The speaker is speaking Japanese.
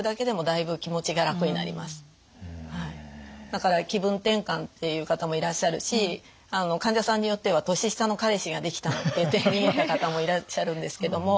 だから「気分転換」って言う方もいらっしゃるし患者さんによっては「年下の彼氏ができた」って言って逃げた方もいらっしゃるんですけども。